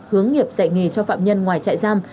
hướng nghiệp dạy nghề cho phạm nhân ngoài trại giam